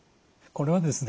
これはですね